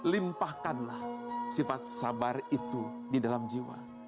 limpahkanlah sifat sabar itu di dalam jiwa